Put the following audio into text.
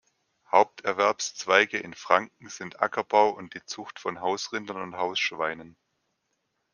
Haupterwerbszweige in Franken sind Ackerbau und die Zucht von Hausrindern und Hausschweinen.